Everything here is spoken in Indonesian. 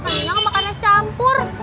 aku bisa kenyang makannya campur